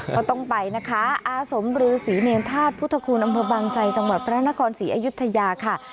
ก็ต้องไปนะคะอาสมรือศรีเนรธาตุพุทธคุณอำเภอบางไซจังหวัดพระนครศรีอยุธยาค่ะ